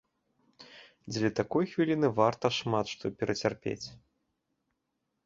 Дзеля такой хвіліны варта шмат што перацярпець!